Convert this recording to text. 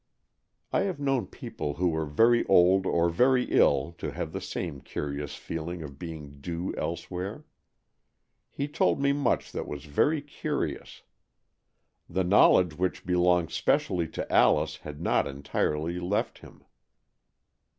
I have known people who were very old or very ill to have that same curious feeling of being due elsewhere. ^ He told me much that was very curious. The knowledge which belonged specially to Alice had not entirely left him.